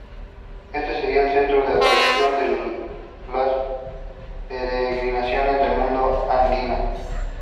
Este sería el centro de atracción de las peregrinaciones del mundo andino.